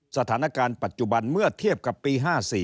สถานการณ์ปัจจุบันเมื่อเทียบกับปี๕๔